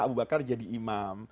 abu bakar jadi imam